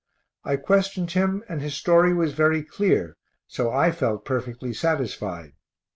I questioned him, and his story was very clear, so I felt perfectly satisfied.